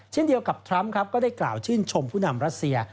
เช่นเดียวกับทรัมป์ครับก็ได้กล่าวชื่นชมผู้นำรัสเซีย